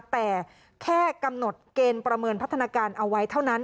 แต่แค่กำหนดเกณฑ์ประเมินพัฒนาการเอาไว้เท่านั้น